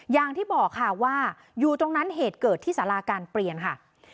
อย่างที่บอกค่ะว่าอยู่ตรงนั้นเหตุเกิดที่สาราการเปลี่ยนค่ะ